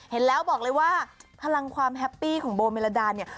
เห็นแล้วบอกเลยว่าพลังความแฮปปี้ของโบเมลดาเนี่ย